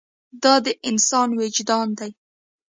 دا د انسان وجدان دی.